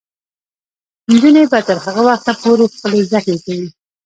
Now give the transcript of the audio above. نجونې به تر هغه وخته پورې خپلې زده کړې کوي.